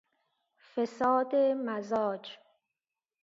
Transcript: فساد مزاج